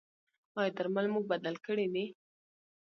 ایا درمل مو بدل کړي دي؟